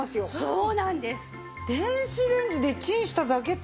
そうなんです。